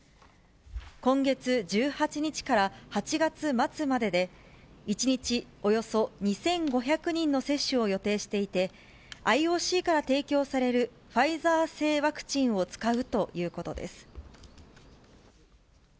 今月１８日から８月末までで、１日およそ２５００人の接種を予定していて、ＩＯＣから提供されるファイザー製ワクチンを使うということです。